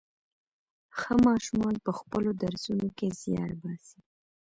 ښه ماشومان په خپلو درسونو کې زيار باسي.